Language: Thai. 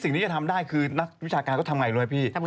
สิ่งที่จะทำได้คือนักวิชาการเขาทำให้ลดเลยพี่